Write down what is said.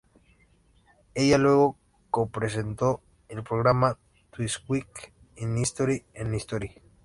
Ella luego co-presentó el programa "This Week in History" en History.